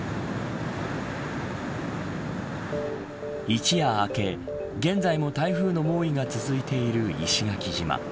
一夜明け、現在も台風の猛威が続いている石垣島。